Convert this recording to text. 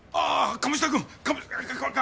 鴨志田君。